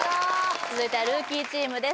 続いてはルーキーチームです